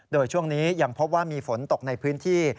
โดยช่วงนี้ยังพบว่ามีฝนตกในพื้นที่